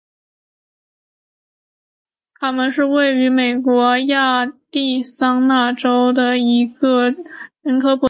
卡门是位于美国亚利桑那州圣克鲁斯县的一个人口普查指定地区。